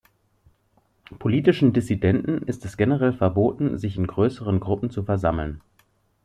Politischen Dissidenten ist es generell verboten, sich in größeren Gruppen zu versammeln.